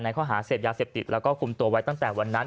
ข้อหาเสพยาเสพติดแล้วก็คุมตัวไว้ตั้งแต่วันนั้น